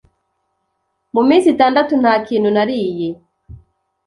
Mu minsi itandatu nta kintu nariye.